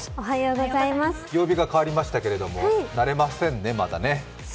曜日が変わりましたけれども、慣れませんね、まだね。